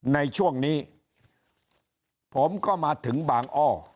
ในช่วงนี้ผมก็มาถึงบางอ้อ